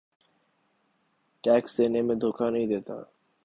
tax دینے میں دھوکہ نہیں دیتا